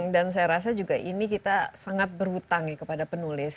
dan saya rasa juga ini kita sangat berhutang ya kepada penulis